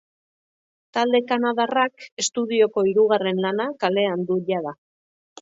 Talde kanadarrak estudioko hirugarren lana kalean du jada.